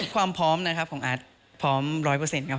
ความพร้อมนะครับของอาร์ตพร้อมร้อยเปอร์เซ็นต์ครับ